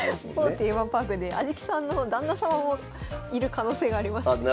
某テーマパークで安食さんの旦那様もいる可能性がありますよね。